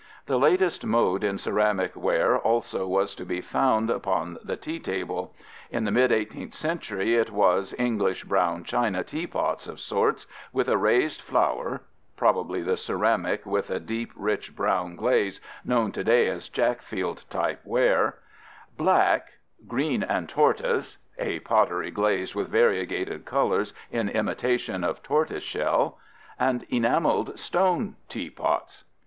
The latest mode in ceramic ware also was to be found upon the tea table. In the mid 18th century it was "English brown China Tea Pots of Sorts, with a rais'd Flower" (probably the ceramic with a deep, rich brown glaze known today as Jackfield type ware), "black," "green and Tortois" (a pottery glazed with varigated colors in imitation of tortoise shell), and "Enameled Stone" teapots.